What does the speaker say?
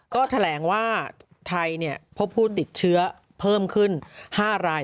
ก็แถลงว่าไทยพบผู้ติดเชื้อเพิ่มขึ้น๕ราย